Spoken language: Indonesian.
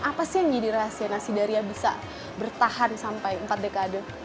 apa sih yang jadi rahasia nasidaria bisa bertahan sampai empat dekade